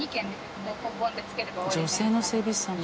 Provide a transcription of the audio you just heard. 女性の整備士さんも。